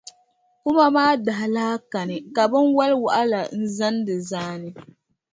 Puma maa daa lahi kani ka binwalʼ waɣila n-zani di zaani.